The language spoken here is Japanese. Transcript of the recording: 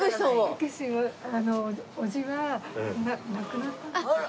タケシおじは亡くなったんです。